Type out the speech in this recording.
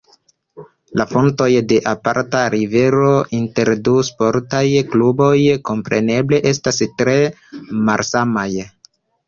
La fontoj de aparta rivaleco inter du sportaj kluboj kompreneble estas tre malsamaj.